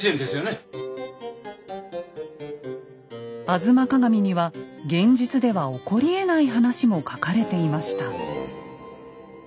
「吾妻鏡」には現実では起こりえない話も書かれていました。